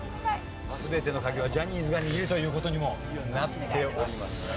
全ての鍵はジャニーズが握るという事にもなっておりますね。